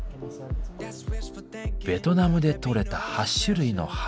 ベトナムで採れた８種類の花。